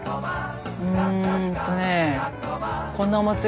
うんとねえ。